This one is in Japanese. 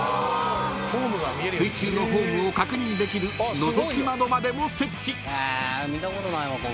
［水中のフォームを確認できるのぞき窓までも設置］